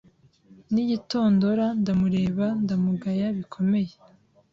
n’igitondora ndamureba ndamugaya bikomeye